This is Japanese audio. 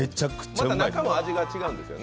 また味が違うんですよね？